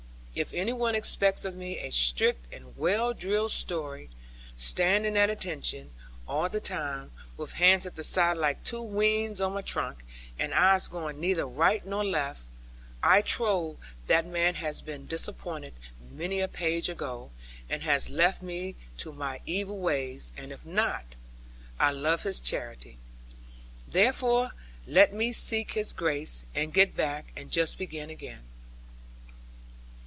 If any one expects of me a strict and well drilled story, standing 'at attention' all the time, with hands at the side like two wens on my trunk, and eyes going neither right nor left; I trow that man has been disappointed many a page ago, and has left me to my evil ways; and if not, I love his charity. Therefore let me seek his grace, and get back, and just begin again.